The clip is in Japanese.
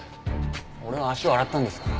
俺は足を洗ったんですから。